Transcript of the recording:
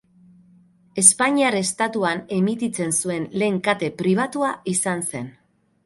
Espainiar estatuan emititzen zuen lehen kate pribatua izan zen.